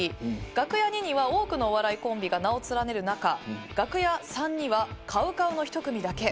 楽屋２には多くのお笑いコンビが名を連ねる中楽屋３にはＣＯＷＣＯＷの１組だけ。